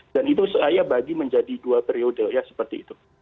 dan itu saya bagi menjadi dua periode ya seperti itu